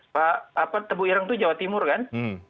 pak apa tebu irang itu jawa timur kan